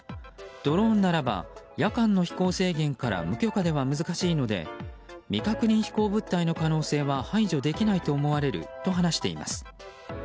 ドローンならば夜間の飛行制限から無許可では難しいので未確認飛行物体の可能性は排除できないと思われると話しています。